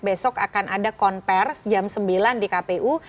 besok akan ada konversi jam sembilan di kpu